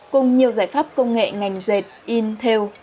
cùng nhiều giải pháp công nghệ ngành diệt intel